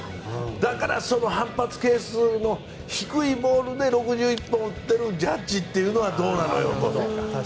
だから、その反発係数の低いボールで６１本打っているジャッジはどうなのよって。